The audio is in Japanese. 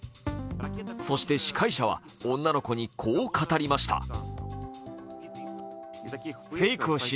そして司会者は女の子にこう語りました。